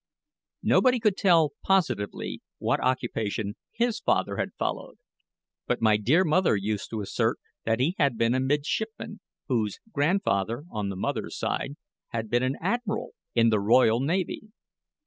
Nobody could tell positively what occupation his father had followed; but my dear mother used to assert that he had been a midshipman, whose grandfather, on the mother's side, had been an admiral in the Royal Navy.